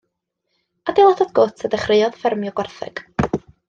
Adeiladodd gwt a dechreuodd ffermio gwartheg.